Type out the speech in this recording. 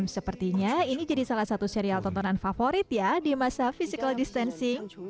sepertinya ini jadi salah satu serial tontonan favorit ya di masa physical distancing